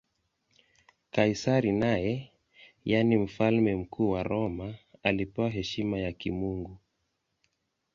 Kaisari naye, yaani Mfalme Mkuu wa Roma, alipewa heshima ya kimungu.